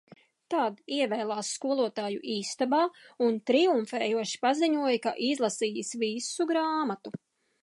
Tad ievēlās skolotāju istabā un triumfējoši paziņoja, ka izlasījis visu grāmatu.